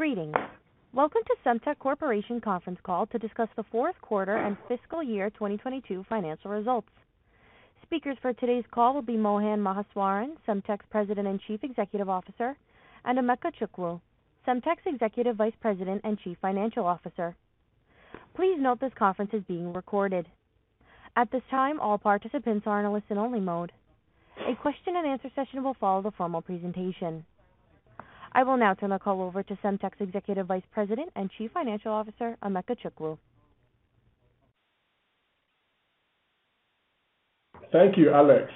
Greetings, welcome to Semtech Corporation conference call to discuss the fourth quarter and fiscal year 2022 financial results. Speakers for today's call will be Mohan Maheswaran, Semtech's President and Chief Executive Officer, and Emeka Chukwu, Semtech's Executive Vice President and Chief Financial Officer. Please note this conference is being recorded. At this time, all participants are in a listen-only mode. A question-and-answer session will follow the formal presentation. I will now turn the call over to Semtech's Executive Vice President and Chief Financial Officer, Emeka Chukwu. Thank you, Alex.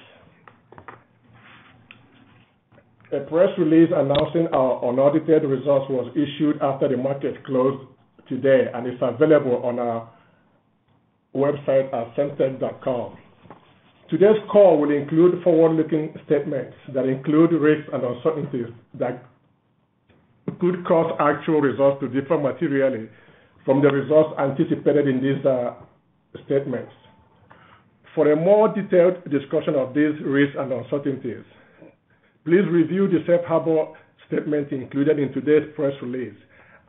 A press release announcing our unaudited results was issued after the market closed today and is available on our website at semtech.com. Today's call will include forward-looking statements that include risks and uncertainties that could cause actual results to differ materially from the results anticipated in these statements. For a more detailed discussion of these risks and uncertainties, please review the safe harbor statement included in today's press release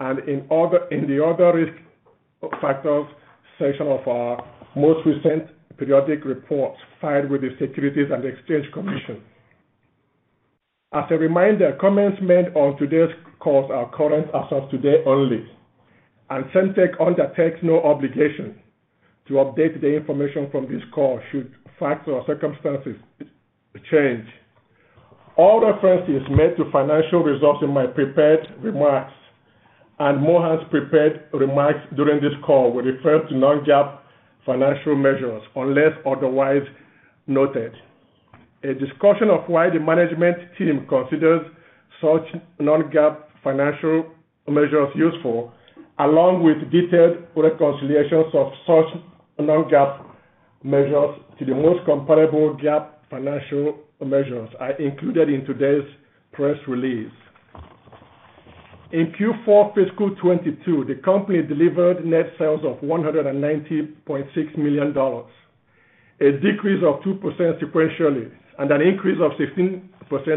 and in the Other Risk Factors section of our most recent periodic reports filed with the Securities and Exchange Commission. As a reminder, comments made on today's call are current as of today only, and Semtech undertakes no obligation to update the information from this call should facts or circumstances change. All references made to financial results in my prepared remarks and Mohan's prepared remarks during this call will refer to non-GAAP financial measures unless otherwise noted. A discussion of why the management team considers such non-GAAP financial measures useful, along with detailed reconciliations of such non-GAAP measures to the most comparable GAAP financial measures are included in today's press release. In Q4 fiscal 2022, the company delivered net sales of $190.6 million, a decrease of 2% sequentially and an increase of 16%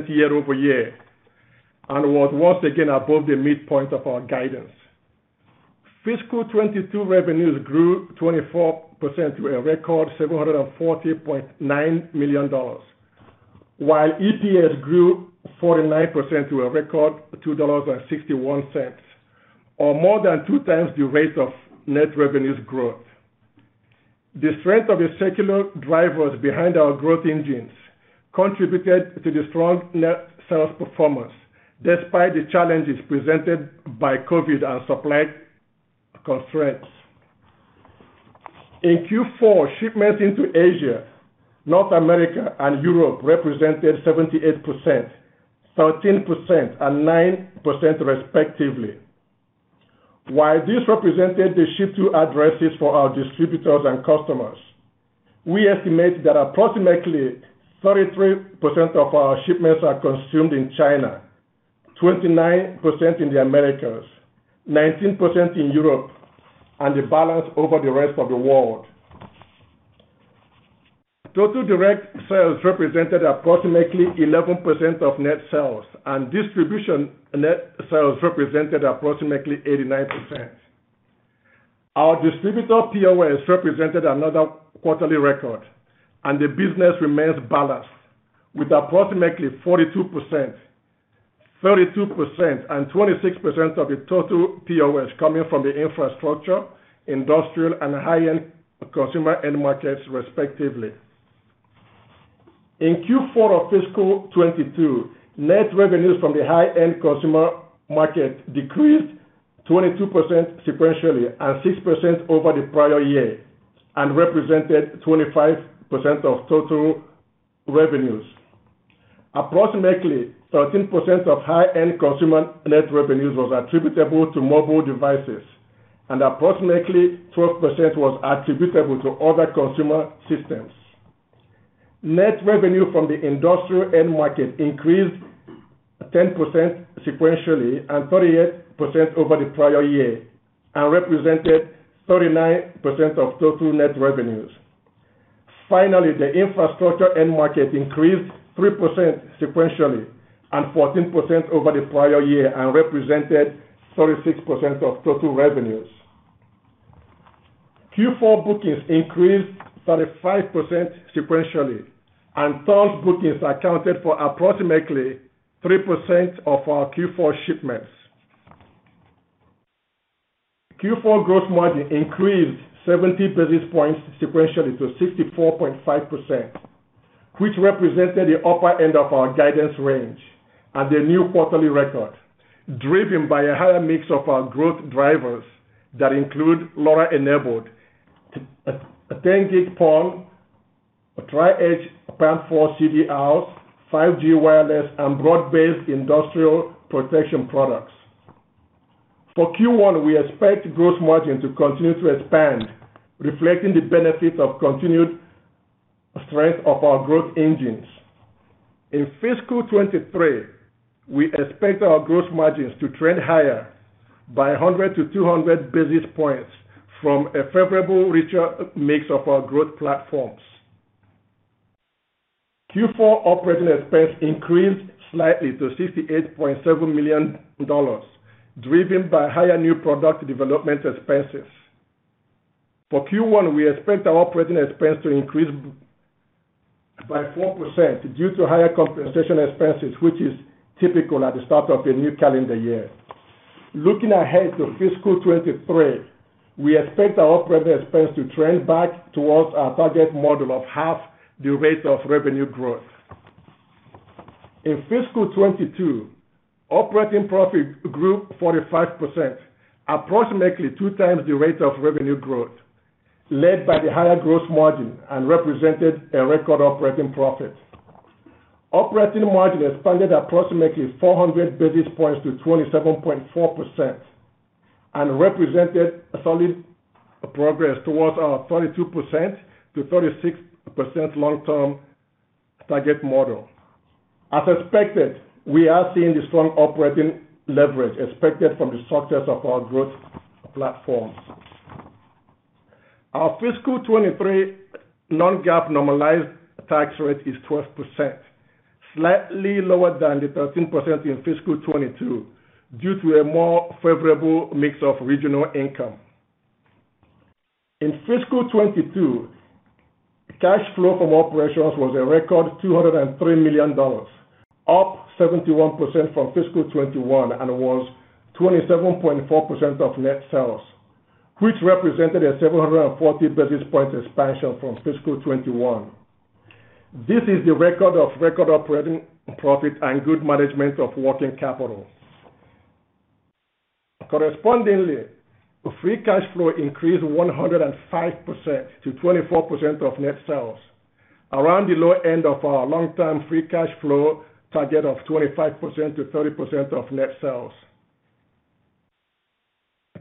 year-over-year, and was once again above the midpoint of our guidance. Fiscal 2022 revenues grew 24% to a record $740.9 million, while EPS grew 49% to a record $2.61, or more than two times the rate of net revenues growth. The strength of the secular drivers behind our growth engines contributed to the strong net sales performance despite the challenges presented by COVID and supply constraints. In Q4, shipments into Asia, North America, and Europe represented 78%, 13%, and 9%, respectively. While this represented the ship to addresses for our distributors and customers, we estimate that approximately 33% of our shipments are consumed in China, 29% in the Americas, 19% in Europe, and the balance over the rest of the world. Total direct sales represented approximately 11% of net sales, and distribution net sales represented approximately 89%. Our distributor POS represented another quarterly record, and the business remains balanced with approximately 42%, 32%, and 26% of the total POS coming from the infrastructure, industrial, and high-end consumer end markets, respectively. In Q4 of fiscal 2022, net revenues from the high-end consumer market decreased 22% sequentially and 6% over the prior year and represented 25% of total revenues. Approximately 13% of high-end consumer net revenues was attributable to mobile devices, and approximately 12% was attributable to other consumer systems. Net revenue from the industrial end market increased 10% sequentially and 38% over the prior year and represented 39% of total net revenues. Finally, the infrastructure end market increased 3% sequentially and 14% over the prior year and represented 36% of total revenues. Q4 bookings increased 35% sequentially, and LoRa bookings accounted for approximately 3% of our Q4 shipments. Q4 gross margin increased 70 basis points sequentially to 64.5%, which represented the upper end of our guidance range and a new quarterly record, driven by a higher mix of our growth drivers that include LoRa-enabled, 10G PON, Tri-Edge PAM4 CDRs, 5G wireless, and broad-based industrial protection products. For Q1, we expect gross margin to continue to expand, reflecting the benefit of continued strength of our growth engines. In fiscal 2023, we expect our gross margins to trend higher by 100-200 basis points from a favorable richer mix of our growth platforms. Q4 operating expense increased slightly to $68.7 million, driven by higher new product development expenses. For Q1, we expect our operating expense to increase by 4% due to higher compensation expenses, which is typical at the start of a new calendar year. Looking ahead to fiscal 2023, we expect our operating expense to trend back towards our target model of half the rate of revenue growth. In fiscal 2022, operating profit grew 45%, approximately two times the rate of revenue growth, led by the higher gross margin and represented a record operating profit. Operating margin expanded approximately 400 basis points to 27.4% and represented a solid progress towards our 32%-36% long-term target model. As expected, we are seeing the strong operating leverage expected from the success of our growth platforms. Our fiscal 2023 non-GAAP normalized tax rate is 12%, slightly lower than the 13% in fiscal 2022 due to a more favorable mix of regional income. In fiscal 2022, cash flow from operations was a record $203 million, up 71% from fiscal 2021, and was 27.4% of net sales, which represented a 740 basis point expansion from fiscal 2021. This is the record operating profit and good management of working capital. Correspondingly, free cash flow increased 105% to 24% of net sales, around the low end of our long-term free cash flow target of 25%-30% of net sales.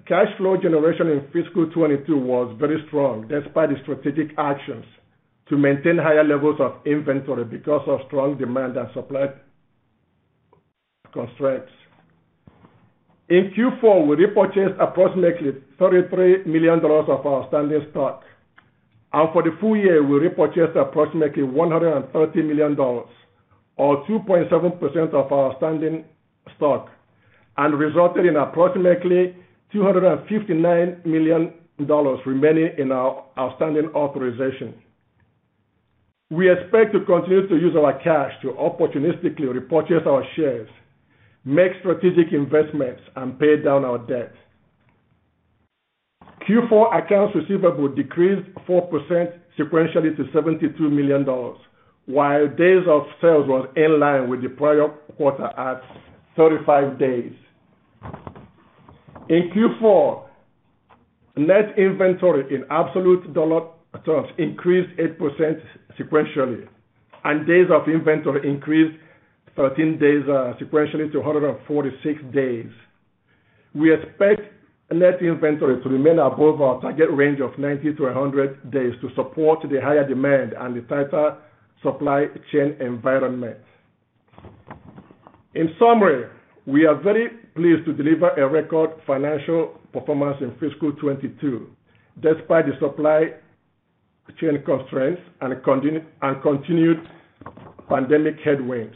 Cash flow generation in fiscal 2022 was very strong, despite the strategic actions to maintain higher levels of inventory because of strong demand and supply constraints. In Q4, we repurchased approximately $33 million of our outstanding stock, and for the full year, we repurchased approximately $130 million or 2.7% of our outstanding stock, and resulted in approximately $259 million remaining in our outstanding authorization. We expect to continue to use our cash to opportunistically repurchase our shares, make strategic investments, and pay down our debt. Q4 accounts receivable decreased 4% sequentially to $72 million, while days of sales was in line with the prior quarter at 35 days. In Q4, net inventory in absolute dollar terms increased 8% sequentially, and days of inventory increased 13 days sequentially to 146 days. We expect net inventory to remain above our target range of 90-100 days to support the higher demand and the tighter supply chain environment. In summary, we are very pleased to deliver a record financial performance in fiscal 2022 despite the supply chain constraints and continued pandemic headwinds.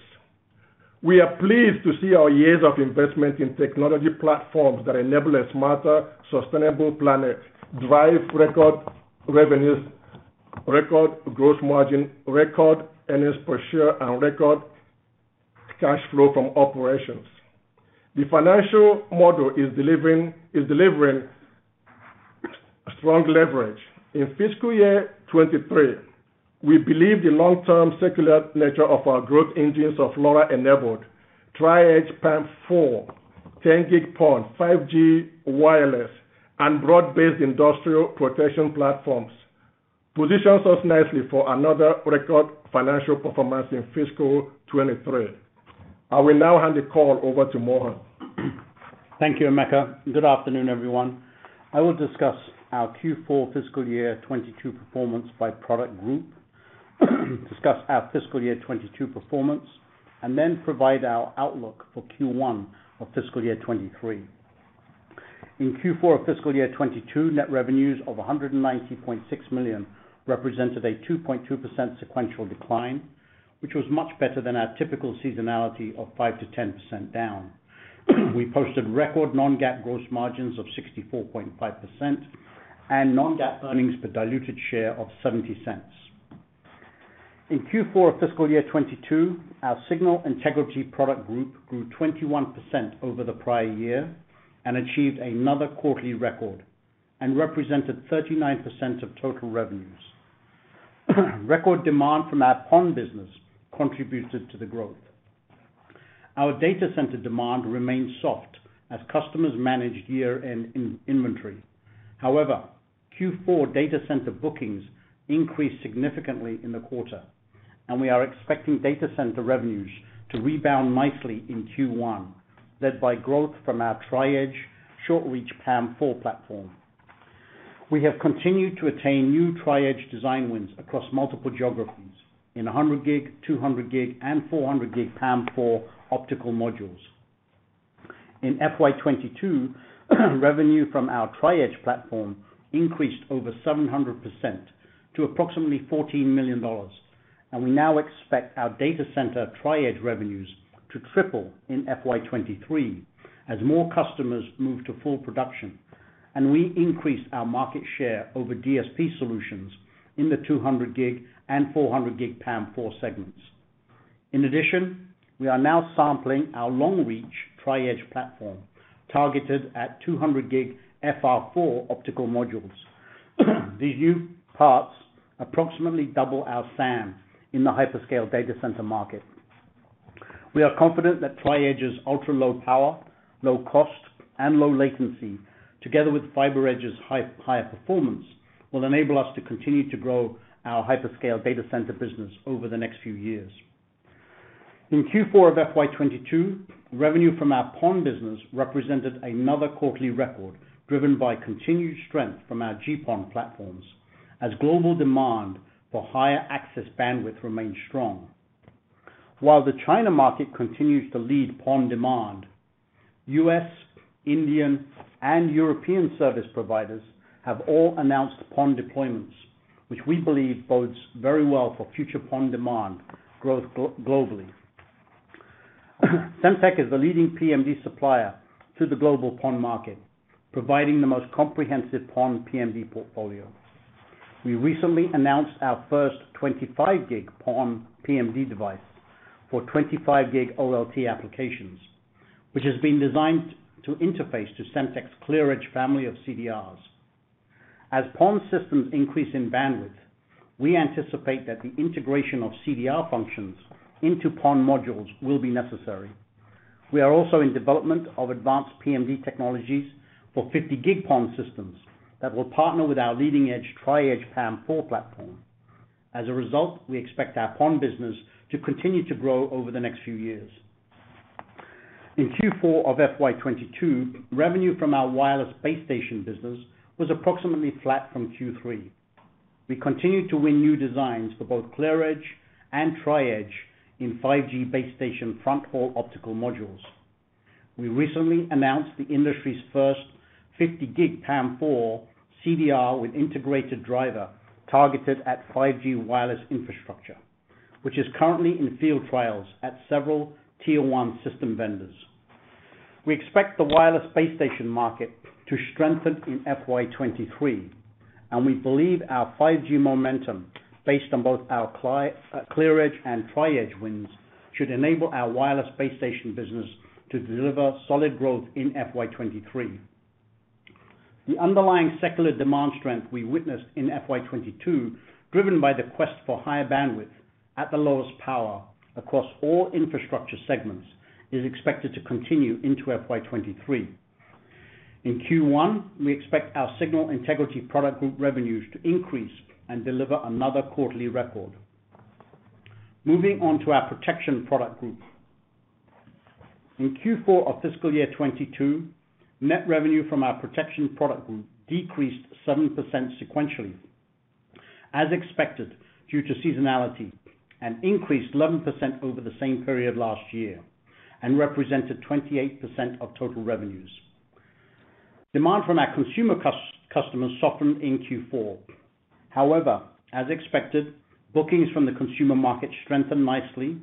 We are pleased to see our years of investment in technology platforms that enable a smarter, sustainable planet drive record revenues, record gross margin, record earnings per share, and record cash flow from operations. The financial model is delivering strong leverage. In fiscal year 2023, we believe the long-term secular nature of our growth engines of LoRa-enabled, Tri-Edge PAM4, 10G PON, 5G wireless, and broad-based industrial protection platforms positions us nicely for another record financial performance in fiscal 2023. I will now hand the call over to Mohan. Thank you, Emeka. Good afternoon, everyone. I will discuss our Q4 fiscal year 2022 performance by product group, discuss our fiscal year 2022 performance, and then provide our outlook for Q1 of fiscal year 2023. In Q4 of fiscal year 2022, net revenues of $190.6 million represented a 2.2% sequential decline, which was much better than our typical seasonality of 5%-10% down. We posted record non-GAAP gross margins of 64.5% and non-GAAP earnings per diluted share of 0.70. In Q4 of fiscal year 2022, our Signal Integrity product group grew 21% over the prior year and achieved another quarterly record and represented 39% of total revenues. Record demand from our PON business contributed to the growth. Our data center demand remained soft as customers managed year-end inventory. However, Q4 data center bookings increased significantly in the quarter, and we are expecting data center revenues to rebound nicely in Q1, led by growth from our Tri-Edge short reach PAM4 platform. We have continued to attain new Tri-Edge design wins across multiple geographies in 100 gig, 200 gig, and 400 gig PAM4 optical modules. In FY 2022, revenue from our Tri-Edge platform increased over 700% to approximately $14 million. We now expect our data center Tri-Edge revenues to triple in FY 2023 as more customers move to full production, and we increase our market share over DSP solutions in the 200 gig and 400 gig PAM4 segments. In addition, we are now sampling our long reach Tri-Edge platform targeted at 200 gig FR4 optical modules. These new parts approximately double our SAM in the hyperscale data center market. We are confident that Tri-Edge's ultra-low power, low cost, and low latency together with FiberEdge's higher performance, will enable us to continue to grow our hyperscale data center business over the next few years. In Q4 of FY 2022, revenue from our PON business represented another quarterly record, driven by continued strength from our GPON platforms as global demand for higher access bandwidth remains strong. While the China market continues to lead PON demand, U.S., Indian, and European service providers have all announced PON deployments, which we believe bodes very well for future PON demand growth globally. Semtech is the leading PMD supplier to the global PON market, providing the most comprehensive PON PMD portfolio. We recently announced our first 25 gig PON PMD device for 25 gig OLT applications, which has been designed to interface to Semtech's ClearEdge family of CDRs. As PON systems increase in bandwidth, we anticipate that the integration of CDR functions into PON modules will be necessary. We are also in development of advanced PMD technologies for 50G PON systems that will partner with our leading-edge Tri-Edge PAM4 platform. As a result, we expect our PON business to continue to grow over the next few years. In Q4 of FY 2022, revenue from our wireless base station business was approximately flat from Q3. We continued to win new designs for both ClearEdge and Tri-Edge in 5G base station fronthaul optical modules. We recently announced the industry's first 50G PAM4 CDR with integrated driver targeted at 5G wireless infrastructure, which is currently in field trials at several tier one system vendors. We expect the wireless base station market to strengthen in FY 2023, and we believe our 5G momentum, based on both our ClearEdge and Tri-Edge wins, should enable our wireless base station business to deliver solid growth in FY 2023. The underlying secular demand strength we witnessed in FY 2022, driven by the quest for higher bandwidth at the lowest power across all infrastructure segments, is expected to continue into FY 2023. In Q1, we expect our signal integrity product group revenues to increase and deliver another quarterly record. Moving on to our protection product group. In Q4 of fiscal year 2022, net revenue from our protection product group decreased 7% sequentially, as expected due to seasonality, and increased 11% over the same period last year, and represented 28% of total revenues. Demand from our consumer customers softened in Q4. However, as expected, bookings from the consumer market strengthened nicely,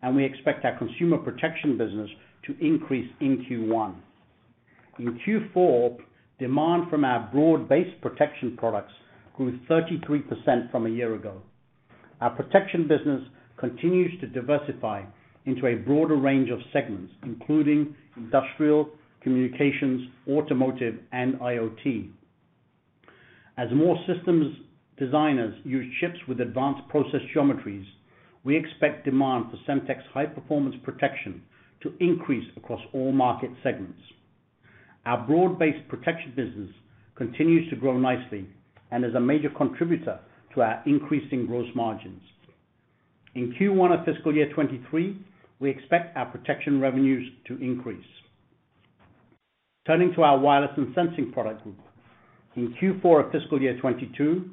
and we expect our consumer protection business to increase in Q1. In Q4, demand from our broad-based protection products grew 33% from a year ago. Our protection business continues to diversify into a broader range of segments, including industrial, communications, automotive, and IoT. As more systems designers use chips with advanced process geometries, we expect demand for Semtech's high-performance protection to increase across all market segments. Our broad-based protection business continues to grow nicely and is a major contributor to our increasing gross margins. In Q1 of fiscal year 2023, we expect our protection revenues to increase, turning to our wireless and sensing product group. In Q4 of fiscal year 2022,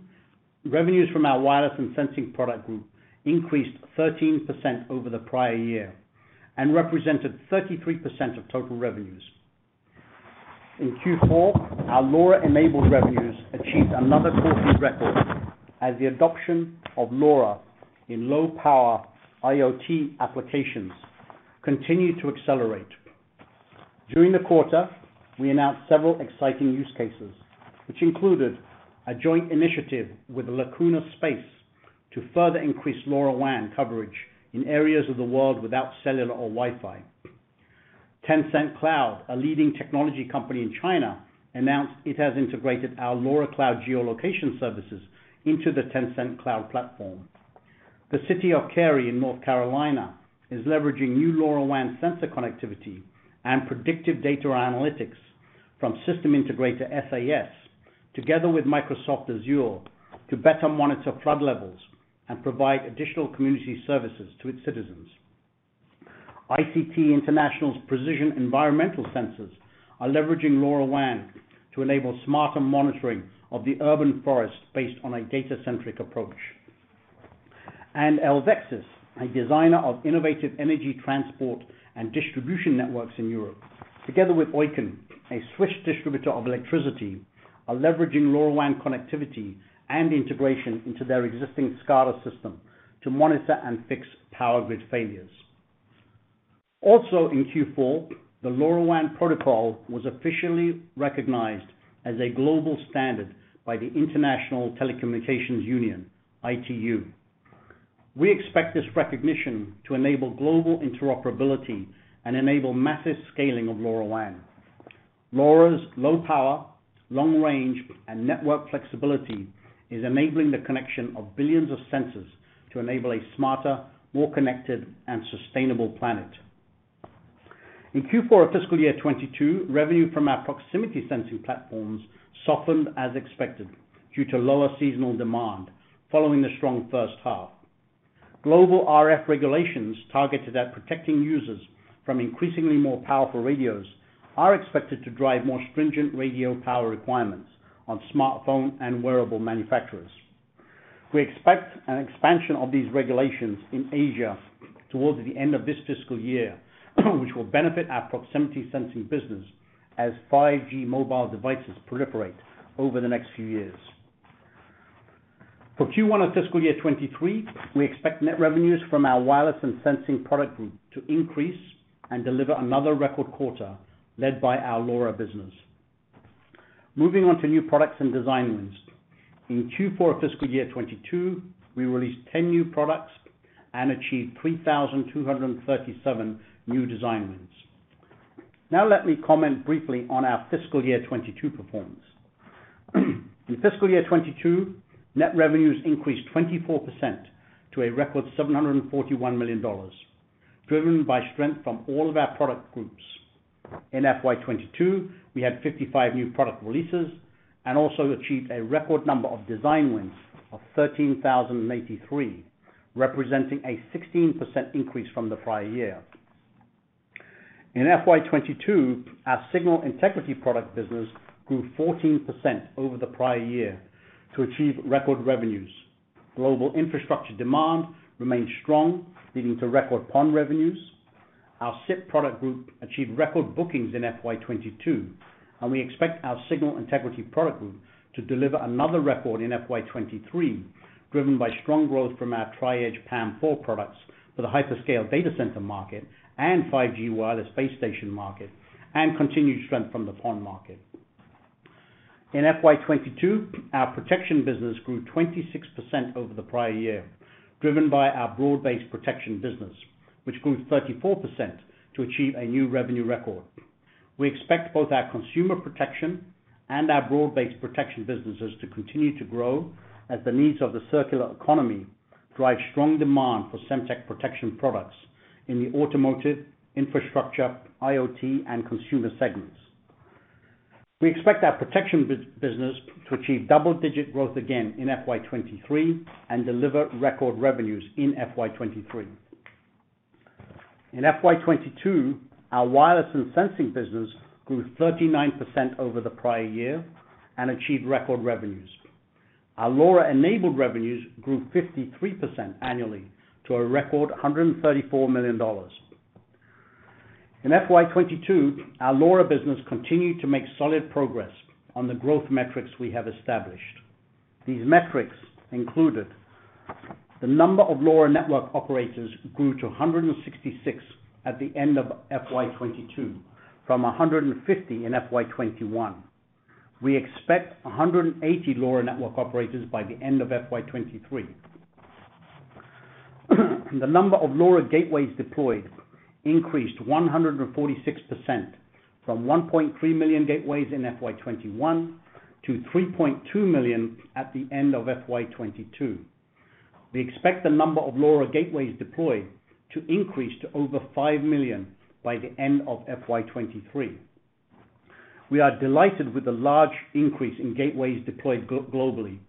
revenues from our wireless and sensing product group increased 13% over the prior year and represented 33% of total revenues. In Q4, our LoRa-enabled revenues achieved another quarterly record as the adoption of LoRa in low power IoT applications continued to accelerate. During the quarter, we announced several exciting use cases, which included a joint initiative with Lacuna Space to further increase LoRaWAN coverage in areas of the world without cellular or Wi-Fi. Tencent Cloud, a leading technology company in China, announced it has integrated our LoRa Cloud geolocation services into the Tencent Cloud platform. The city of Cary in North Carolina is leveraging new LoRaWAN sensor connectivity and predictive data analytics from system integrator SAS, together with Microsoft Azure, to better monitor flood levels and provide additional community services to its citizens. ICT International's precision environmental sensors are leveraging LoRaWAN to enable smarter monitoring of the urban forest based on a data-centric approach. Elvexys, a designer of innovative energy transport and distribution networks in Europe, together with Oiken, a Swiss distributor of electricity, are leveraging LoRaWAN connectivity and integration into their existing SCADA system to monitor and fix power grid failures. Also in Q4, the LoRaWAN protocol was officially recognized as a global standard by the International Telecommunication Union, ITU. We expect this recognition to enable global interoperability and enable massive scaling of LoRaWAN. LoRa's low power, long range, and network flexibility is enabling the connection of billions of sensors to enable a smarter, more connected, and sustainable planet. In Q4 of fiscal year 2022, revenue from our proximity sensing platforms softened as expected, due to lower seasonal demand following the strong first half. Global RF regulations targeted at protecting users from increasingly more powerful radios are expected to drive more stringent radio power requirements on smartphone and wearable manufacturers. We expect an expansion of these regulations in Asia towards the end of this fiscal year, which will benefit our proximity sensing business as 5G mobile devices proliferate over the next few years. For Q1 of fiscal year 2023, we expect net revenues from our wireless and sensing product group to increase and deliver another record quarter led by our LoRa business. Moving on to new products and design wins. In Q4 of fiscal year 2022, we released 10 new products and achieved 3,237 new design wins. Now let me comment briefly on our fiscal year 2022 performance. In fiscal year 2022, net revenues increased 24% to a record $741 million, driven by strength from all of our product groups. In FY 2022, we had 55 new product releases and also achieved a record number of design wins of 13,083, representing a 16% increase from the prior year. In FY 2022, our signal integrity product business grew 14% over the prior year to achieve record revenues. Global infrastructure demand remained strong, leading to record PON revenues. Our SIP product group achieved record bookings in FY 2022, and we expect our signal integrity product group to deliver another record in FY 2023, driven by strong growth from our Tri-Edge PAM4 products for the hyperscale data center market and 5G wireless base station market, and continued strength from the PON market. In FY 2022, our protection business grew 26% over the prior year, driven by our broad-based protection business, which grew 34% to achieve a new revenue record. We expect both our consumer protection and our broad-based protection businesses to continue to grow as the needs of the circular economy drive strong demand for Semtech protection products in the automotive, infrastructure, IoT, and consumer segments. We expect our protection business to achieve double-digit growth again in FY 2023 and deliver record revenues in FY 2023. In FY 2022, our wireless and sensing business grew 39% over the prior year and achieved record revenues. Our LoRa-enabled revenues grew 53% annually to a record $134 million. In FY 2022, our LoRa business continued to make solid progress on the growth metrics we have established. These metrics included the number of LoRa network operators grew to 166 at the end of FY 2022 from 150 in FY 2021. We expect 180 LoRa network operators by the end of FY 2023. The number of LoRa gateways deployed increased 146% from 1.3 million gateways in FY 2021 to 3.2 million at the end of FY 2022. We expect the number of LoRa gateways deployed to increase to over 5 million by the end of FY 2023. We are delighted with the large increase in gateways deployed globally,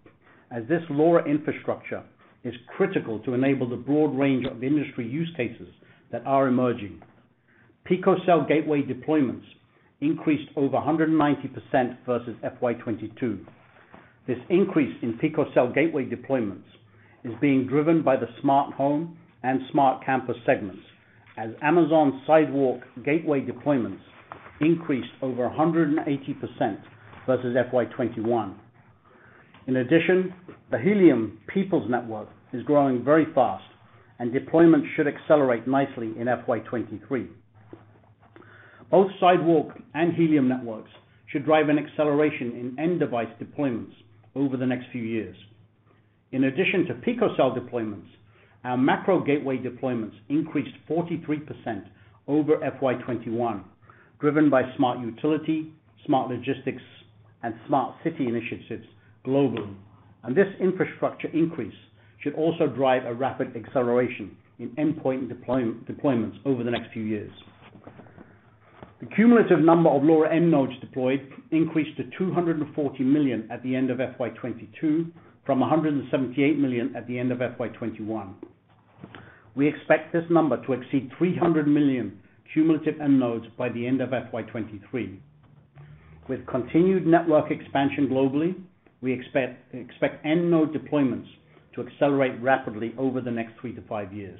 as this LoRa infrastructure is critical to enable the broad range of industry use cases that are emerging. Picocell gateway deployments increased over 190% versus FY 2022. This increase in picocell gateway deployments is being driven by the smart home and smart campus segments, as Amazon Sidewalk gateway deployments increased over 180% versus FY 2021. In addition, the Helium People's Network is growing very fast and deployment should accelerate nicely in FY 2023. Both Sidewalk and Helium networks should drive an acceleration in end device deployments over the next few years. In addition to picocell deployments, our macro gateway deployments increased 43% over FY 2021, driven by smart utility, smart logistics, and smart city initiatives globally. This infrastructure increase should also drive a rapid acceleration in endpoint deployments over the next few years. The cumulative number of LoRaWAN nodes deployed increased to 240 million at the end of FY 2022 from 178 million at the end of FY 2021. We expect this number to exceed 300 million cumulative end nodes by the end of FY 2023. With continued network expansion globally, we expect end node deployments to accelerate rapidly over the next three-five years.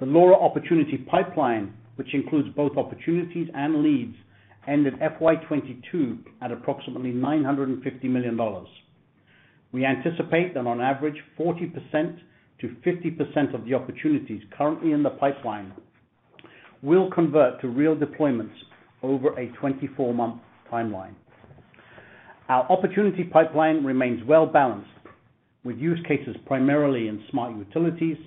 The LoRa opportunity pipeline, which includes both opportunities and leads, ended FY 2022 at approximately $950 million. We anticipate that on average, 40%-50% of the opportunities currently in the pipeline will convert to real deployments over a 24-month timeline. Our opportunity pipeline remains well balanced, with use cases primarily in smart utilities,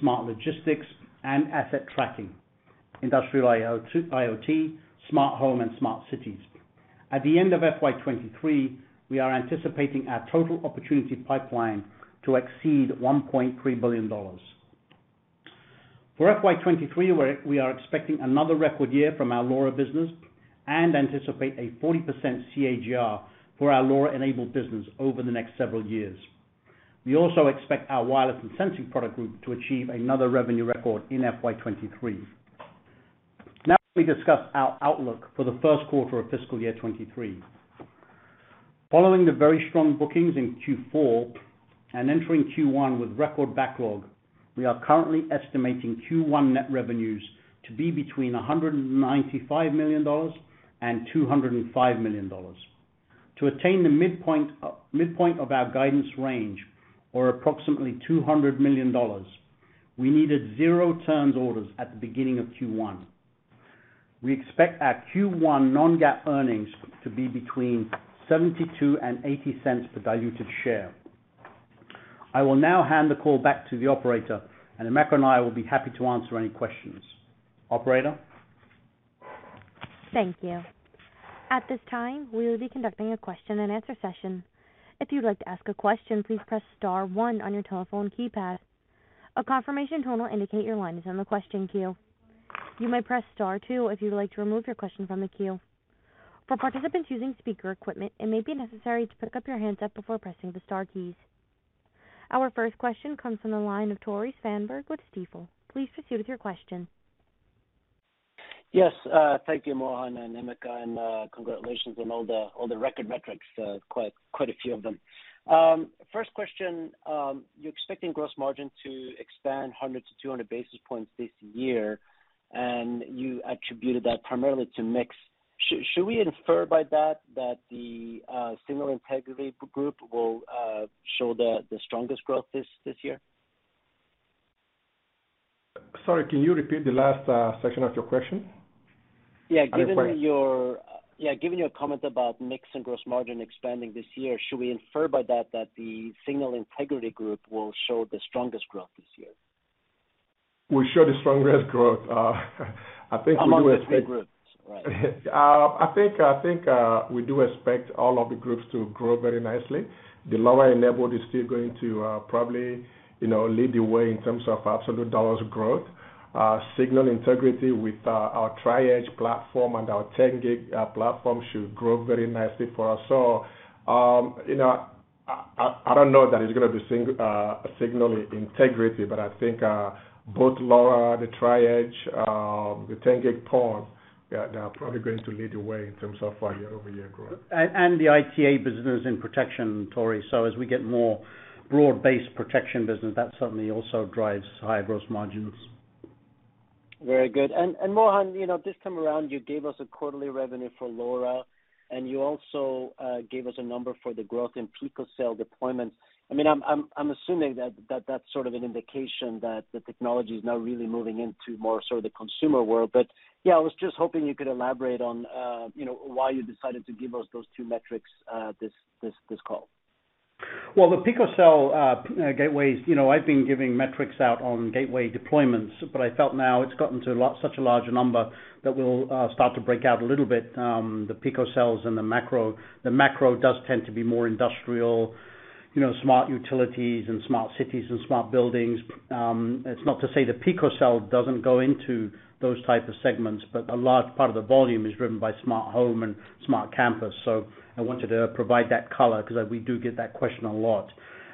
smart logistics and asset tracking, industrial IoT, smart home and smart cities. At the end of FY 2023, we are anticipating our total opportunity pipeline to exceed $1.3 billion. For FY 2023, we are expecting another record year from our LoRa business and anticipate a 40% CAGR for our LoRa-enabled business over the next several years. We also expect our wireless and sensing product group to achieve another revenue record in FY 2023. Now, we discuss our outlook for the first quarter of fiscal year 2023. Following the very strong bookings in Q4 and entering Q1 with record backlog, we are currently estimating Q1 net revenues to be between $195 million and $205 million. To attain the midpoint of our guidance range, or approximately $200 million, we needed zero turns orders at the beginning of Q1. We expect our Q1 non-GAAP earnings to be between 0.72 and 0.80 per diluted share. I will now hand the call back to the operator, and Emeka and I will be happy to answer any questions. Operator? Thank you. At this time, we will be conducting a question and answer session. If you'd like to ask a question, please press star one on your telephone keypad. A confirmation tone will indicate your line is in the question queue. You may press star two if you would like to remove your question from the queue. For participants using speaker equipment, it may be necessary to pick up your handset before pressing the star keys. Our first question comes from the line of Tore Svanberg with Stifel. Please proceed with your question. Yes, thank you, Mohan and Emeka, and congratulations on all the record metrics, quite a few of them. First question, you're expecting gross margin to expand 100-200 basis points this year, and you attributed that primarily to mix. Should we infer by that that the signal integrity group will show the strongest growth this year? Sorry, can you repeat the last section of your question? Yeah. I didn't quite- Given your comment about mix and gross margin expanding this year, should we infer by that the signal integrity group will show the strongest growth this year? Will show the strongest growth? I think we do expect- Among the three groups, right. I think we do expect all of the groups to grow very nicely. The LoRa enabled is still going to probably you know lead the way in terms of absolute dollar growth. Signal integrity with our Tri-Edge platform and our 10G platform should grow very nicely for us. I don't know that it's going to be signal integrity, but I think both LoRa, the Tri-Edge, the 10G PON, they are probably going to lead the way in terms of our year-over-year growth. The ITA business in protection, Tore. As we get more broad-based protection business, that certainly also drives higher gross margins. Very good. Mohan, you know, this time around, you gave us a quarterly revenue for LoRa, and you also gave us a number for the growth in picocell deployments. I mean, I'm assuming that that's sort of an indication that the technology is now really moving into more sort of the consumer world. Yeah, I was just hoping you could elaborate on, you know, why you decided to give us those two metrics, this call. Well, the picocell gateways, you know, I've been giving metrics out on gateway deployments, but I felt now it's gotten to such a large number that we'll start to break out a little bit the picocells and the macro. The macro does tend to be more industrial, you know, smart utilities and smart cities and smart buildings. It's not to say the picocell doesn't go into those type of segments, but a large part of the volume is driven by smart home and smart campus. So I wanted to provide that color because we do get that question a lot.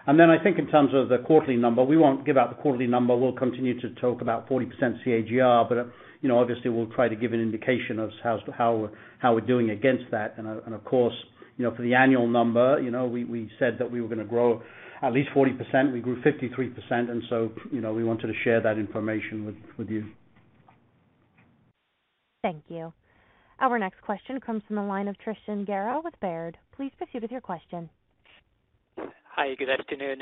Then I think in terms of the quarterly number, we won't give out the quarterly number. We'll continue to talk about 40% CAGR, but, you know, obviously we'll try to give an indication of how we're doing against that. Of course, you know, for the annual number, you know, we said that we were going to grow at least 40%. We grew 53% and so, you know, we wanted to share that information with you. Thank you. Our next question comes from the line of Tristan Gerra with Baird. Please proceed with your question. Hi, good afternoon.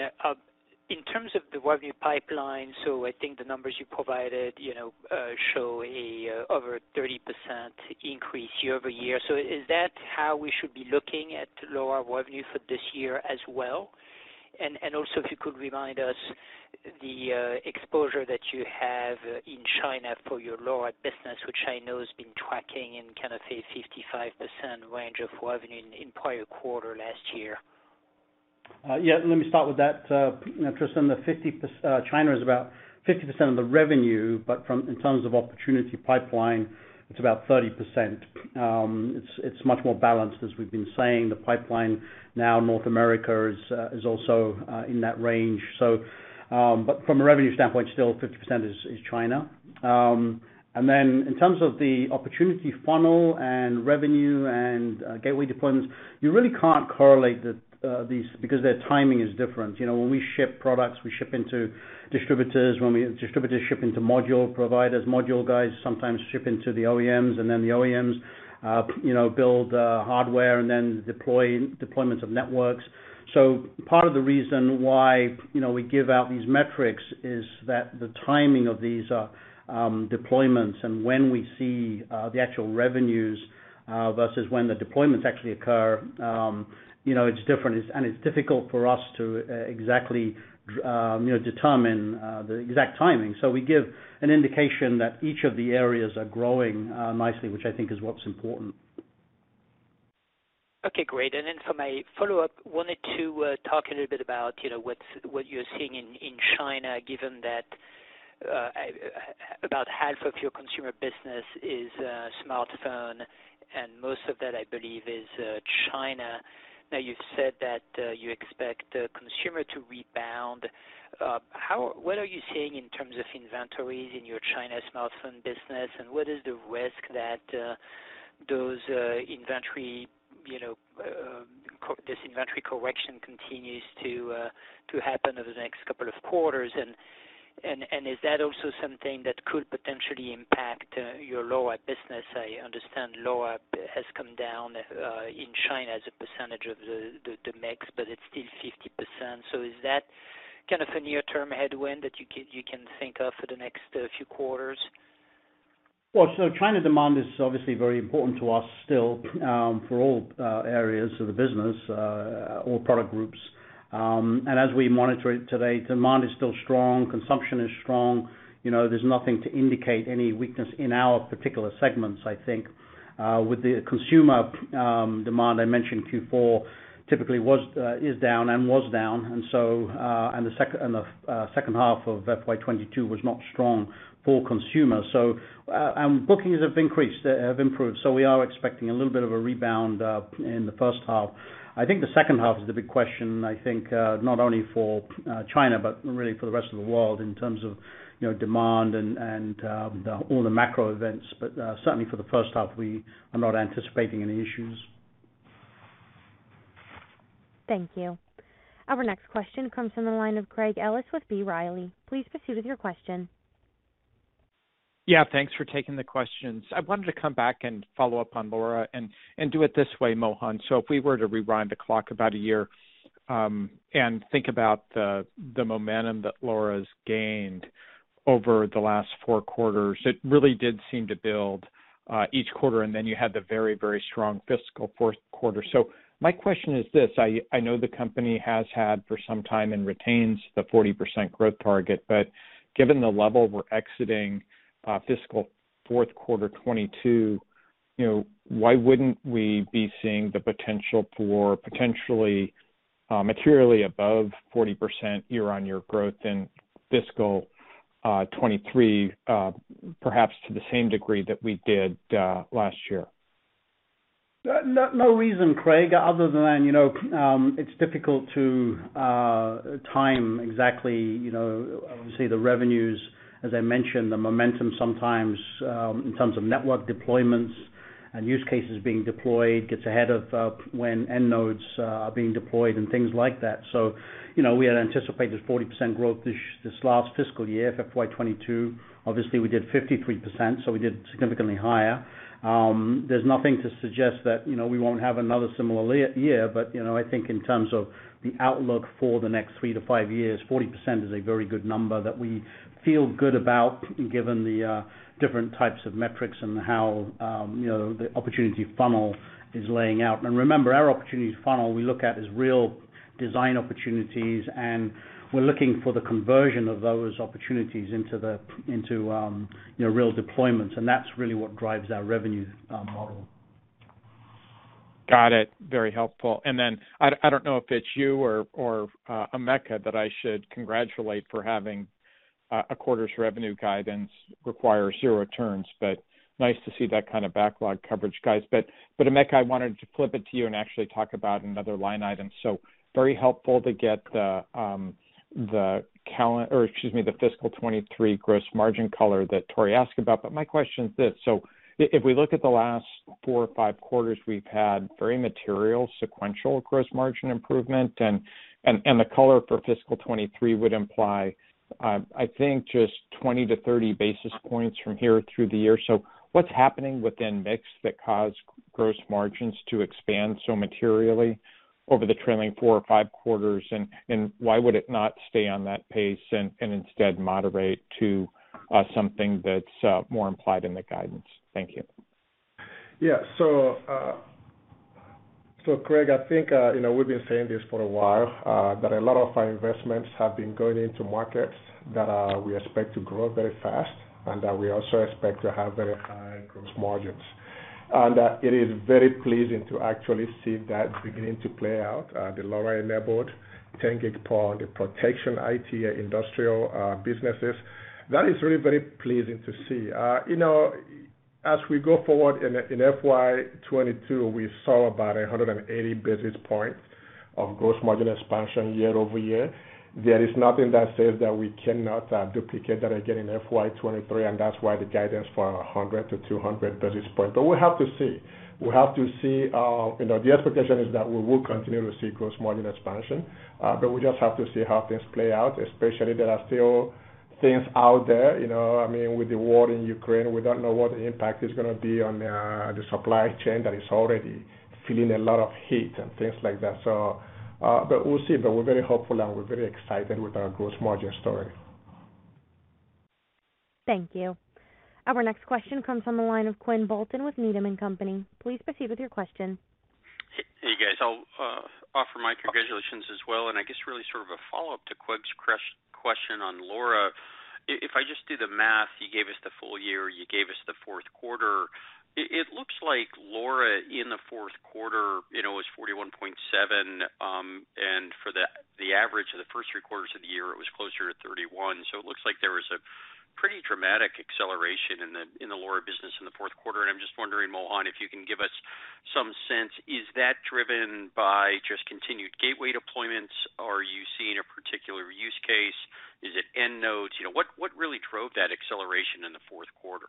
In terms of the revenue pipeline, I think the numbers you provided, you know, show a over 30% increase year-over-year. Is that how we should be looking at lower revenue for this year as well? Also if you could remind us the exposure that you have in China for your LoRa business, which I know has been tracking in kind of a 55% range of revenue in prior quarter last year. Yeah, let me start with that, you know, Tristan. The 50%, China is about 50% of the revenue, but from, in terms of opportunity pipeline, it's about 30%. It's much more balanced, as we've been saying. The pipeline now in North America is also in that range. From a revenue standpoint, still 50% is China. Then in terms of the opportunity funnel and revenue and gateway deployments, you really can't correlate these because their timing is different. You know, when we ship products, we ship into distributors. When we have distributors ship into module providers, module guys sometimes ship into the OEMs, and then the OEMs, you know, build hardware and then deploy deployments of networks. Part of the reason why, you know, we give out these metrics is that the timing of these deployments and when we see the actual revenues versus when the deployments actually occur, you know, it's different. It's difficult for us to exactly, you know, determine the exact timing. We give an indication that each of the areas are growing nicely, which I think is what's important. Okay, great. For my follow-up, I wanted to talk a little bit about, you know, what you're seeing in China, given that about half of your consumer business is smartphone, and most of that, I believe, is China. Now you've said that you expect the consumer to rebound. What are you seeing in terms of inventories in your China smartphone business, and what is the risk that, you know, this inventory correction continues to happen over the next couple of quarters? Is that also something that could potentially impact your LoRa business? I understand LoRa has come down in China as a percentage of the mix, but it's still 50%. Is that kind of a near-term headwind that you can think of for the next few quarters? China demand is obviously very important to us still, for all areas of the business, all product groups. As we monitor it today, demand is still strong, consumption is strong. You know, there's nothing to indicate any weakness in our particular segments, I think. With the consumer demand, I mentioned Q4 typically is down. The second half of FY 2022 was not strong for consumer. Bookings have increased, have improved, so we are expecting a little bit of a rebound in the first half. I think the second half is the big question, I think, not only for China, but really for the rest of the world in terms of, you know, demand and, the all the macro events. Certainly for the first half, we are not anticipating any issues. Thank you. Our next question comes from the line of Craig Ellis with B. Riley. Please proceed with your question. Yeah, thanks for taking the questions. I wanted to come back and follow up on LoRa and do it this way, Mohan. If we were to rewind the clock about a year and think about the momentum that LoRa's gained over the last four quarters, it really did seem to build each quarter, and then you had the very, very strong fiscal fourth quarter. My question is this: I know the company has had for some time and retains the 40% growth target, but given the level we're exiting fiscal fourth quarter 2022, you know, why wouldn't we be seeing the potential for potentially materially above 40% year-on-year growth in fiscal 2023, perhaps to the same degree that we did last year? No reason, Craig, other than, you know, it's difficult to time exactly, you know, obviously the revenues. As I mentioned, the momentum sometimes in terms of network deployments and use cases being deployed gets ahead of when end nodes are being deployed and things like that. You know, we had anticipated 40% growth this last fiscal year, FY 2022. Obviously we did 53%, so we did significantly higher. There's nothing to suggest that, you know, we won't have another similar year. You know, I think in terms of the outlook for the next three to five years, 40% is a very good number that we feel good about given the different types of metrics and how, you know, the opportunity funnel is playing out. Remember, our opportunities funnel we look at is real design opportunities, and we're looking for the conversion of those opportunities into, you know, real deployments, and that's really what drives our revenue model. Got it. Very helpful. I don't know if it's you or Emeka that I should congratulate for having a quarter's revenue guidance require zero turns, but nice to see that kind of backlog coverage, guys. Emeka, I wanted to flip it to you and actually talk about another line item. Very helpful to get the or excuse me, the fiscal 2023 gross margin color that Tore asked about, but my question is this: If we look at the last four or five quarters, we've had very material sequential gross margin improvement and the color for fiscal 2023 would imply I think just 20-30 basis points from here through the year. What's happening within mix that caused gross margins to expand so materially over the trailing four or five quarters? Why would it not stay on that pace and instead moderate to something that's more implied in the guidance? Thank you. Craig, I think, you know, we've been saying this for a while, that a lot of our investments have been going into markets that we expect to grow very fast and that we also expect to have very high gross margins. It is very pleasing to actually see that beginning to play out, the LoRa-enabled 10G PON, the protection, IoT, industrial businesses. That is really very pleasing to see. You know, as we go forward in FY 2022, we saw about 180 basis points of gross margin expansion year-over-year. There is nothing that says that we cannot duplicate that again in FY 2023, and that's why the guidance for 100-200 basis points. But we'll have to see. The expectation is that we will continue to see gross margin expansion, but we just have to see how things play out, especially there are still things out there, you know. I mean, with the war in Ukraine, we don't know what the impact is going to be on the supply chain that is already feeling a lot of heat and things like that. We'll see. We're very hopeful, and we're very excited with our gross margin story. Thank you. Our next question comes from the line of Quinn Bolton with Needham & Company. Please proceed with your question. Hey, guys. I'll offer my congratulations as well, and I guess really sort of a follow-up to Craig's question on LoRa. If I just do the math, you gave us the full year, you gave us the fourth quarter. It looks like LoRa in the fourth quarter, you know, was 41.7, and for the average of the first three quarters of the year, it was closer to 31. It looks like there was a pretty dramatic acceleration in the LoRa business in the fourth quarter. I'm just wondering, Mohan, if you can give us some sense, is that driven by just continued gateway deployments? Are you seeing a particular use case? Is it end nodes? You know, what really drove that acceleration in the fourth quarter?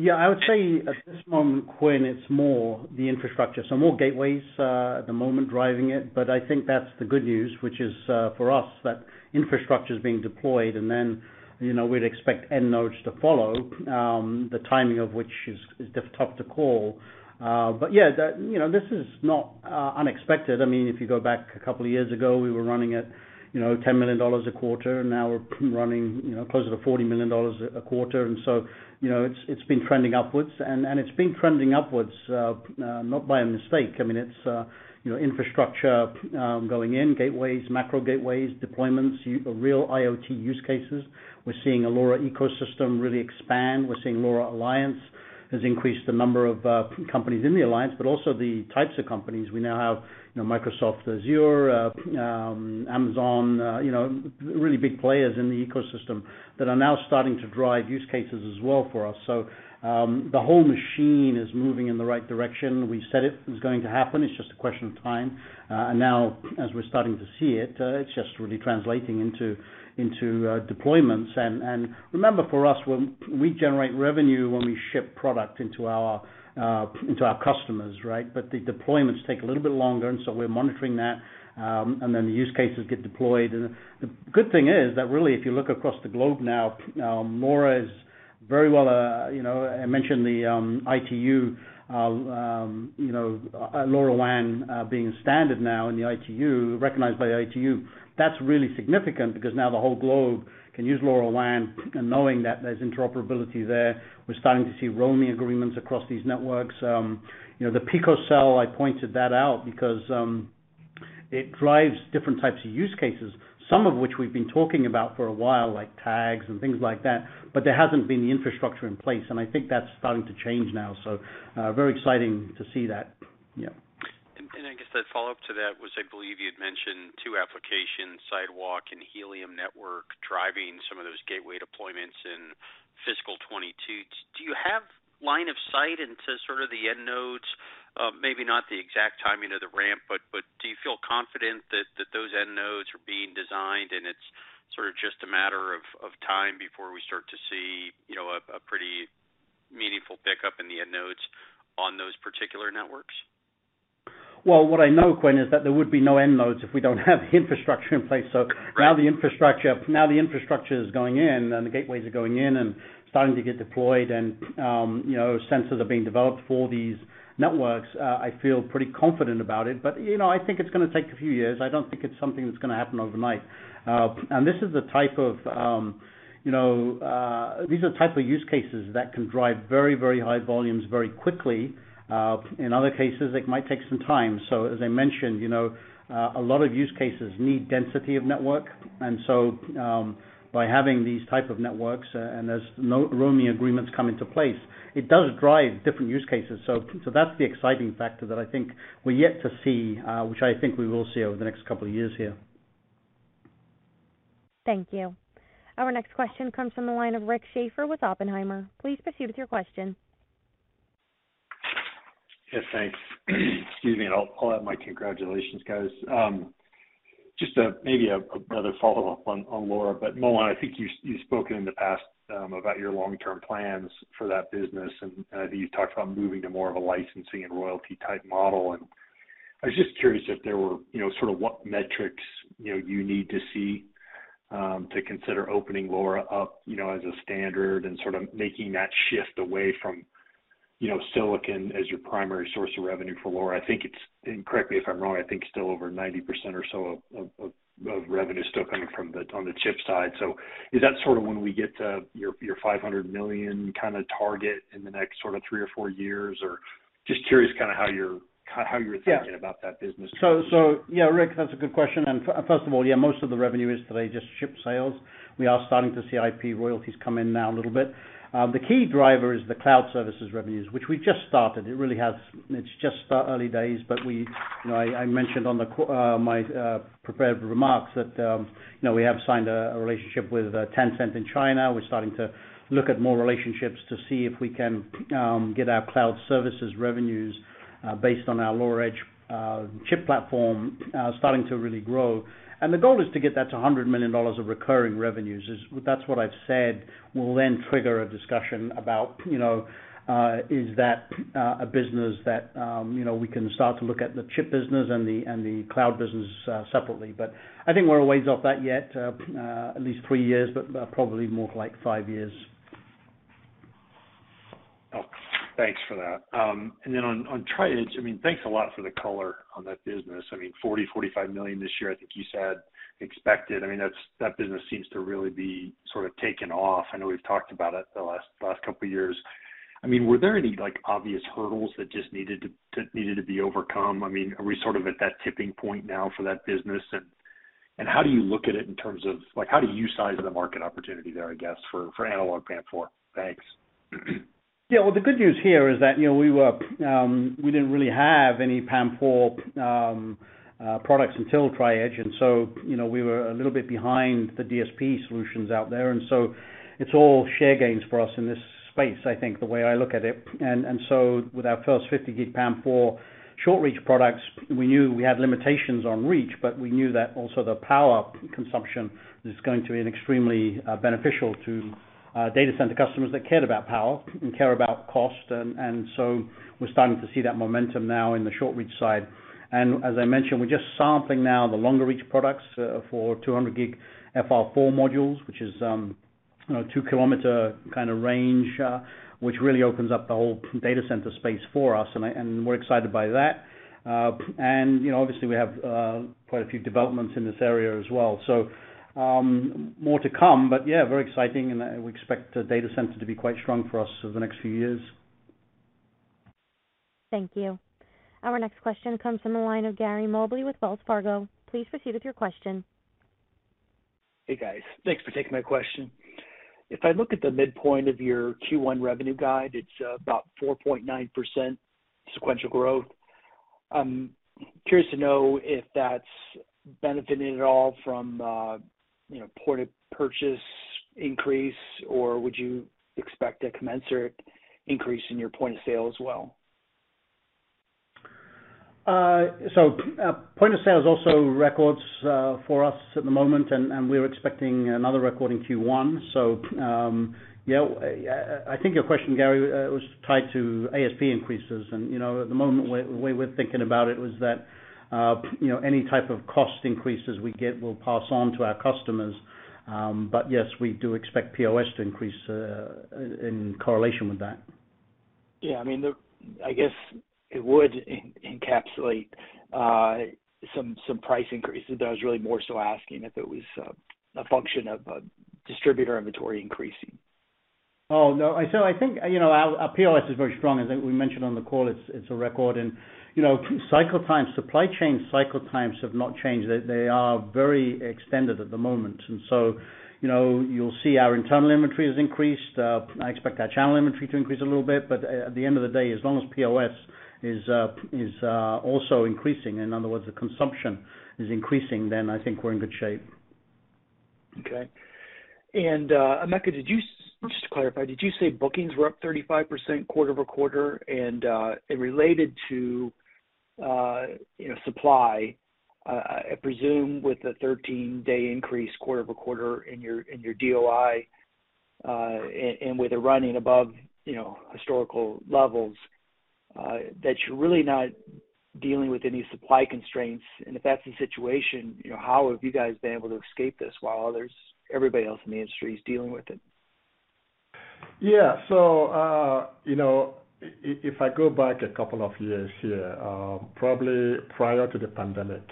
Yeah, I would say at this moment, Quinn, it's more the infrastructure. More gateways at the moment driving it, but I think that's the good news, which is for us that infrastructure is being deployed, and then, you know, we'd expect end nodes to follow, the timing of which is tough to call. But yeah, you know, this is not unexpected. I mean, if you go back a couple of years ago, we were running at, you know, $10 million a quarter, and now we're running, you know, closer to $40 million a quarter. And so, you know, it's been trending upwards. And it's been trending upwards not by a mistake. I mean, it's, you know, infrastructure going in, gateways, macro gateways, deployments, real IoT use cases. We're seeing a LoRa ecosystem really expand. We're seeing LoRa Alliance has increased the number of companies in the alliance, but also the types of companies. We now have, you know, Microsoft Azure, Amazon, you know, really big players in the ecosystem that are now starting to drive use cases as well for us. The whole machine is moving in the right direction. We said it was going to happen. It's just a question of time. Now as we're starting to see it's just really translating into deployments. Remember for us, when we generate revenue when we ship product into our customers, right? The deployments take a little bit longer, and we're monitoring that, and then the use cases get deployed. The good thing is that really, if you look across the globe now, LoRa is very well, you know. I mentioned the ITU, you know, LoRaWAN being standard now in the ITU, recognized by the ITU. That's really significant because now the whole globe can use LoRaWAN and knowing that there's interoperability there. We're starting to see roaming agreements across these networks. You know, the picocell, I pointed that out because it drives different types of use cases, some of which we've been talking about for a while, like tags and things like that, but there hasn't been the infrastructure in place, and I think that's starting to change now. Very exciting to see that. Yeah. I guess the follow-up to that was, I believe you had mentioned two applications, Sidewalk and Helium Network, driving some of those gateway deployments in fiscal 2022. Do you have line of sight into sort of the end nodes? Maybe not the exact timing of the ramp, but do you feel confident that those end nodes are being designed and it's sort of just a matter of time before we start to see, you know, a pretty meaningful pickup in the end nodes on those particular networks? Well, what I know, Quinn, is that there would be no end nodes if we don't have infrastructure in place. So now the infrastructure is going in and the gateways are going in and starting to get deployed and, you know, sensors are being developed for these networks, I feel pretty confident about it. But, you know, I think it's going to take a few years. I don't think it's something that's going to happen overnight. And this is the type of, you know, these are type of use cases that can drive very, very high volumes very quickly. In other cases, it might take some time. So as I mentioned, you know, a lot of use cases need density of network. By having these type of networks, and as no roaming agreements come into place, it does drive different use cases. That's the exciting factor that I think we're yet to see, which I think we will see over the next couple of years here. Thank you. Our next question comes from the line of Rick Schafer with Oppenheimer. Please proceed with your question. Yes, thanks. Excuse me, I'll add my congratulations, guys. Just maybe a rather follow-up on LoRa. Mohan, I think you've spoken in the past about your long-term plans for that business, and I think you talked about moving to more of a licensing and royalty type model. I was just curious if there were, you know, sort of what metrics, you know, you need to see to consider opening LoRa up, you know, as a standard and sort of making that shift away from, you know, silicon as your primary source of revenue for LoRa. I think it's, and correct me if I'm wrong, I think still over 90% or so of revenue still coming from the on the chip side. Is that sort of when we get to your $500 million kinda target in the next sorta 3 or 4 years? Or just curious kind of how you're thinking about that business. Yeah, Rick, that's a good question. First of all, most of the revenue is today just chip sales. We are starting to see IP royalties come in a little bit. The key driver is the cloud services revenues, which we just started. It's just early days, but we you know, I mentioned in my prepared remarks that you know, we have signed a relationship with Tencent in China. We're starting to look at more relationships to see if we can get our cloud services revenues based on our LoRa Edge chip platform starting to really grow. The goal is to get that to $100 million of recurring revenues. That's what I've said will then trigger a discussion about, you know, is that PA business that, you know, we can start to look at the chip business and the cloud business, separately. I think we're a ways off that yet, at least three years, but probably more like five years. Oh, thanks for that. Then on Tri-Edge, I mean, thanks a lot for the color on that business. I mean, 45 million this year, I think you said expected. I mean, that business seems to really be sort of taken off. I know we've talked about it the last couple of years. I mean, were there any, like, obvious hurdles that just needed to be overcome? I mean, are we sort of at that tipping point now for that business? How do you look at it in terms of like how do you size the market opportunity there, I guess, for analog PAM4? Thanks. Yeah. Well, the good news here is that, you know, we were, we didn't really have any PON4 products until Tri-Edge. You know, we were a little bit behind the DSP solutions out there. It's all share gains for us in this space, I think, the way I look at it. With our first 50G PON4 short reach products, we knew we had limitations on reach, but we knew that also the power consumption is going to be extremely beneficial to data center customers that cared about power and care about cost. We're starting to see that momentum now in the short reach side. As I mentioned, we're just sampling now the longer reach products for 200 gig FR4 modules, which is, you know, two-kilometer kind of range, which really opens up the whole data center space for us. We're excited by that. You know, obviously we have quite a few developments in this area as well. More to come. Yeah, very exciting, and we expect data center to be quite strong for us over the next few years. Thank you. Our next question comes from the line of Gary Mobley with Wells Fargo. Please proceed with your question. Hey, guys. Thanks for taking my question. If I look at the midpoint of your Q1 revenue guide, it's about 4.9% sequential growth. I'm curious to know if that's benefiting at all from, you know, point of purchase increase, or would you expect a commensurate increase in your point of sale as well? Point of sale is also at record for us at the moment, and we're expecting another record in Q1. I think your question, Gary, was tied to ASP increases. You know, at the moment the way we're thinking about it was that any type of cost increases we get, we'll pass on to our customers. But yes, we do expect POS to increase in correlation with that. Yeah. I mean, I guess it would encapsulate some price increases. But I was really more so asking if it was a function of distributor inventory increasing. Oh, no. I think, you know, our POS is very strong. As, like, we mentioned on the call, it's a record. You know, cycle times, supply chain cycle times have not changed. They are very extended at the moment. You know, you'll see our internal inventory has increased. I expect our channel inventory to increase a little bit. At the end of the day, as long as POS is also increasing, in other words, the consumption is increasing, then I think we're in good shape. Okay. Emeka, just to clarify, did you say bookings were up 35% quarter-over-quarter? Related to, you know, supply, I presume with the 13-day increase quarter-over-quarter in your DOI, and with it running above, you know, historical levels, that you're really not dealing with any supply constraints. If that's the situation, you know, how have you guys been able to escape this while others, everybody else in the industry is dealing with it? If I go back a couple of years here, probably prior to the pandemic,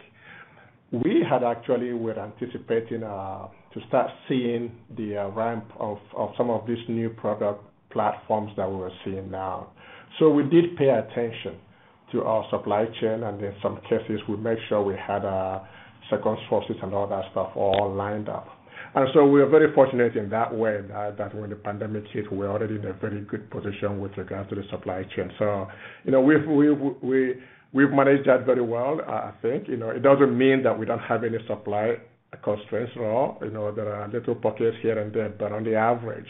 we had actually were anticipating to start seeing the ramp of some of these new product platforms that we're seeing now. We did pay attention to our supply chain, and in some cases, we made sure we had second sources and all that stuff all lined up. We are very fortunate in that way, that when the pandemic hit, we're already in a very good position with regard to the supply chain. You know, we've managed that very well, I think. You know, it doesn't mean that we don't have any supply constraints at all. You know, there are little pockets here and there. On the average,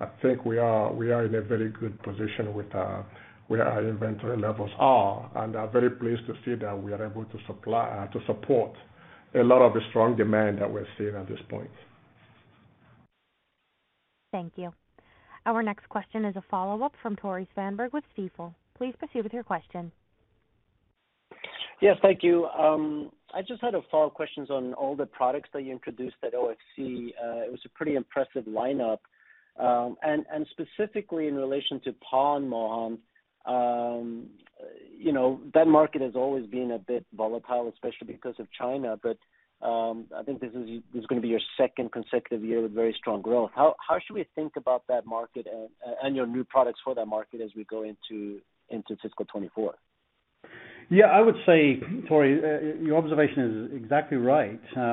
I think we are in a very good position with where our inventory levels are. I'm very pleased to see that we are able to support a lot of the strong demand that we're seeing at this point. Thank you. Our next question is a follow-up from Tore Svanberg with Stifel. Please proceed with your question. Yes, thank you. I just had a follow-up questions on all the products that you introduced at OFC. It was a pretty impressive lineup. And specifically in relation to PON, Mohan. You know, that market has always been a bit volatile, especially because of China. I think this is going to be your second consecutive year with very strong growth. How should we think about that market and your new products for that market as we go into fiscal 2024? Yeah, I would say, Tore, your observation is exactly right. You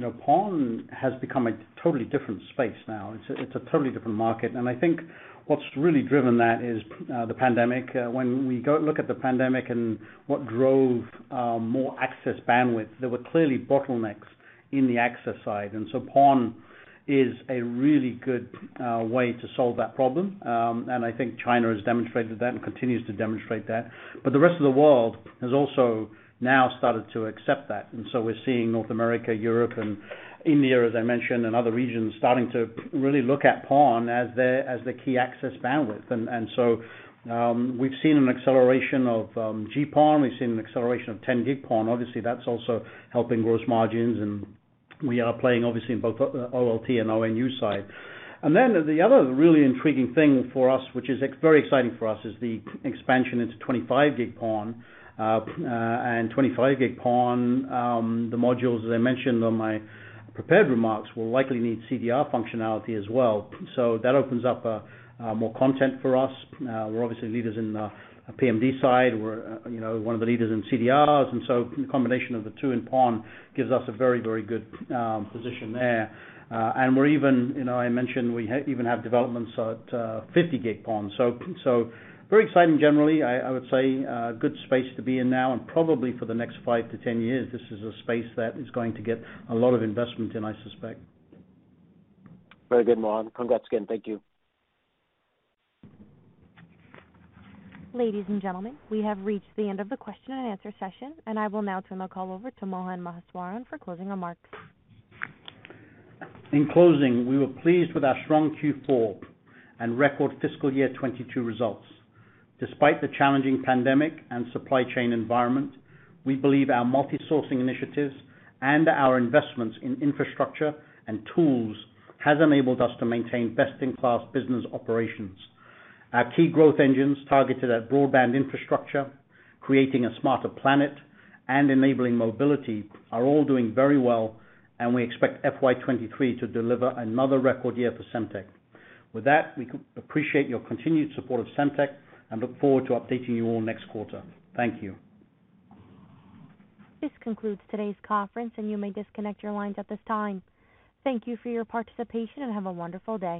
know, PON has become a totally different space now. It's a totally different market. I think what's really driven that is the pandemic. When we look at the pandemic and what drove more access bandwidth, there were clearly bottlenecks in the access side. PON is a really good way to solve that problem. I think China has demonstrated that and continues to demonstrate that. The rest of the world has also now started to accept that. We're seeing North America, Europe, and India, as I mentioned, and other regions starting to really look at PON as their key access bandwidth. We've seen an acceleration of GPON. We've seen an acceleration of 10G PON. Obviously, that's also helping gross margins, and we are playing obviously in both OLT and ONU side. The other really intriguing thing for us, which is very exciting for us, is the expansion into 25 Gig PON, and 25 Gig PON, the modules, as I mentioned on my prepared remarks, will likely need CDR functionality as well. That opens up more content for us. We're obviously leaders in the PMD side. We're, you know, one of the leaders in CDRs, and so the combination of the two in PON gives us a very, very good position there. And we're even, you know. I mentioned we even have developments at 50 Gig PON. Very exciting generally. I would say good space to be in now, and probably for the next five-10 years, this is a space that is going to get a lot of investment in, I suspect. Very good, Mohan. Congrats again. Thank you. Ladies and gentlemen, we have reached the end of the question and answer session, and I will now turn the call over to Mohan Maheswaran for closing remarks. In closing, we were pleased with our strong Q4 and record FY 2022 results. Despite the challenging pandemic and supply chain environment, we believe our multi-sourcing initiatives and our investments in infrastructure and tools has enabled us to maintain best-in-class business operations. Our key growth engines targeted at broadband infrastructure, creating a smarter planet, and enabling mobility are all doing very well, and we expect FY 2023 to deliver another record year for Semtech. With that, we appreciate your continued support of Semtech and look forward to updating you all next quarter. Thank you. This concludes today's conference, and you may disconnect your lines at this time. Thank you for your participation, and have a wonderful day.